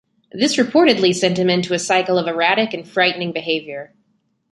This reportedly sent him into a cycle of erratic and frightening behavior.